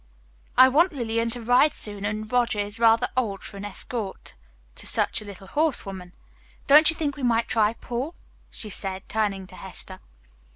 "I want Lillian to ride soon, and Roger is rather old for an escort to such a little horsewoman. Don't you think we might try Paul?" she said, turning to Hester.